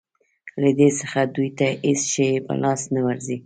له دې څخه دوی ته هېڅ شی په لاس نه ورځي.